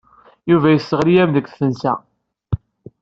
Yuba yesseɣli-am deg tfesna.